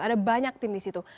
ada banyak tim di situ